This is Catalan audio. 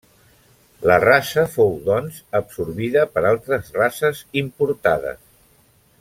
La raça fou, doncs, absorbida per altres races, importades.